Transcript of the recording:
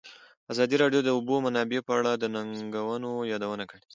ازادي راډیو د د اوبو منابع په اړه د ننګونو یادونه کړې.